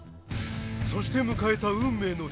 そして迎えた運命の日。